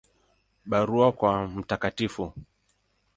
Barua kwa Mt.